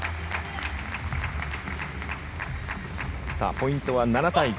ポイントは７対５。